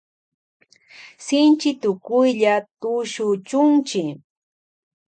Shinchi tukuylla tushuchunchi.